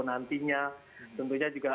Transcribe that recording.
nantinya tentunya juga